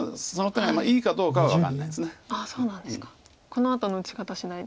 このあとの打ち方しだいで。